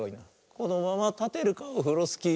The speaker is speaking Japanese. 「このままたてるかオフロスキー」